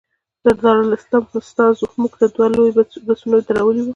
د دارالسلام استازو موږ ته دوه لوی بسونه درولي وو.